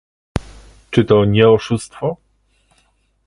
Czy to nie oszustwo?